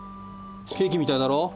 ケーキみたいだろ？